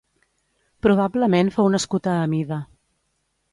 Probablement fou nascut a Amida.